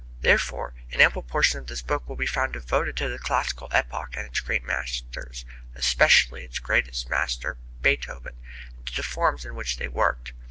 Therefore, an ample portion of this book will be found devoted to the classical epoch and its great masters, especially its greatest master, Beethoven, and to the forms in which they worked.